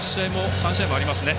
３試合ありますね。